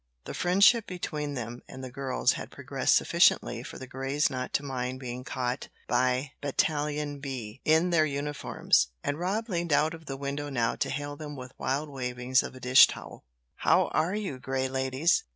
The friendship between them and the girls had progressed sufficiently for the Greys not to mind being caught by "Battalion B" in their uniforms, and Rob leaned out of the window now to hail them with wild wavings of a dish towel. "How are you, Grey ladies?"